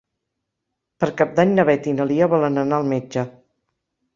Per Cap d'Any na Beth i na Lia volen anar al metge.